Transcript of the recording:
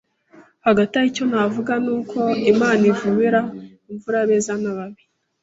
Hagati aha icyo navuga ni uko Imana ivubira imvura abeza n’ababi,